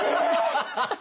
ハハハハ！